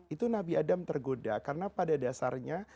itu nabi adam tergoda karena pada dasarnya